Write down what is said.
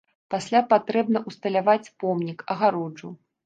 Пасля патрэбна ўсталяваць помнік, агароджу.